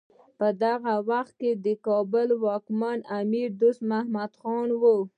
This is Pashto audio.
په هغه وخت کې د کابل واکمن امیر دوست محمد و.